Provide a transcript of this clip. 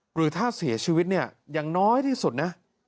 หรือถ้าเสียชีวิตเนี่ยอย่างน้อยที่สุดนะ